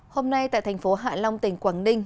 hôm nay tại thành phố hạ long tỉnh quảng ninh